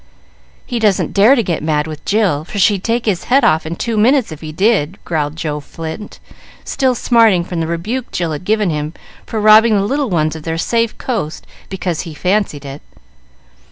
"He doesn't dare to get mad with Jill, for she'd take his head off in two minutes if he did," growled Joe Flint, still smarting from the rebuke Jill had given him for robbing the little ones of their safe coast because he fancied it.